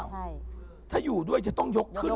ใช่ถ้าอยู่ด้วยจะต้องยกขึ้น